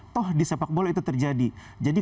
toh di sepak bola itu terjadi jadi